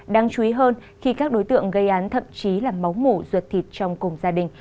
đáng chú ý hơn khi các đối tượng gây án thậm chí là máu mủ ruột thịt trong cùng gia đình